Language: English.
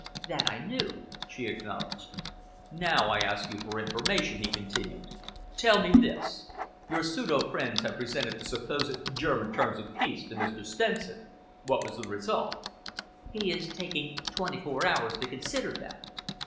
"That I knew," she acknowledged. "Now I ask you for information," he continued. "Tell me this? Your pseudo friends have presented the supposed German terms of peace to Mr. Stenson. What was the result?" "He is taking twenty four hours to consider them."